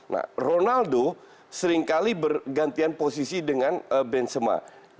nah ronaldo seringkali bergantian posisi dengan benzema